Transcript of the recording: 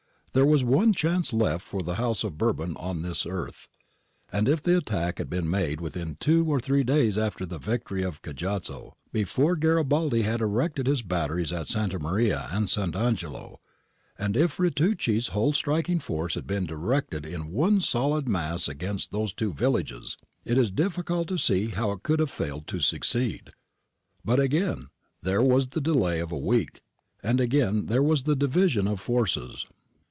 It was the one chance left for the house of Bourbon on this earth, and if the attack had been made within two or three days after the victory of Cajazzo, before Garibaldi had erected his batteries at Santa Maria and Sant' Angelo, and if Ritucci's whole striking force had been directed in one solid mass against those two villages, it is difficult to see how it could have failed to succeed. But again there was the delay of a week, and again there was the division of forces.